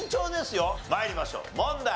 参りましょう問題。